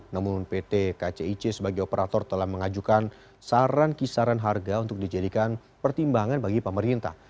namun pt kcic sebagai operator telah mengajukan saran kisaran harga untuk dijadikan pertimbangan bagi pemerintah